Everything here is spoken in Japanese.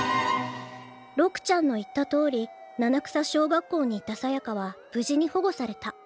六ちゃんの言ったとおり七草小学校にいたさやかは無事に保護された。